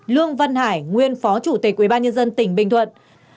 lương văn hải nguyên phó chủ tịch ubnd tỉnh bình thuận